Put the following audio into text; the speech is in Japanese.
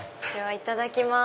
いただきます。